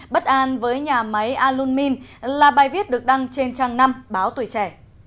bất an với nhà máy alumin là bài viết được đăng trên trang năm báo tuổi trẻ